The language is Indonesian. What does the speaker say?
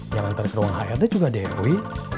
yang ntar ke ruang hr deh juga dewi